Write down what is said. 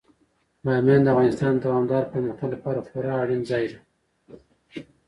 بامیان د افغانستان د دوامداره پرمختګ لپاره خورا اړین ځای دی.